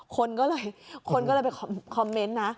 คนก็เลยไปคอมเมนต์นะ